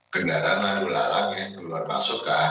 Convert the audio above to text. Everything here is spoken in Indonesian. gendaran lalu lalang yang keluar masukkan